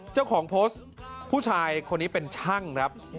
เจ้าของโพสต์ผู้ชายคนนี้เป็นช่างครับ